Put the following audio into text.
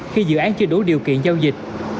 khi dự án chưa đủ điều kiện giao dịch